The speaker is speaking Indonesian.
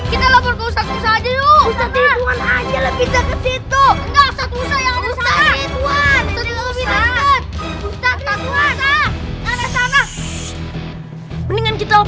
kita lapor ke usahaja yuk